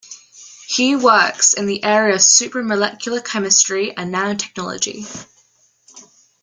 He works in the area of supramolecular chemistry and nanotechnology.